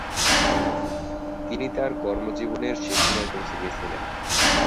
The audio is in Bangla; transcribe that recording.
তিনি তার কর্মজীবনের শেষসীমায় পৌছে গিয়েছিলেন।